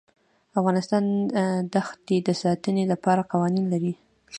افغانستان د ښتې د ساتنې لپاره قوانین لري.